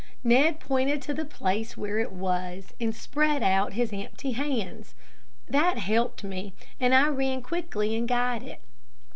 Ned pointed to the place where it was, and spread out his empty hands. That helped me, and I ran quickly and got it.